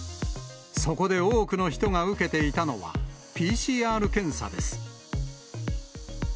そこで多くの人が受けていたのは、ＰＣＲ検査です。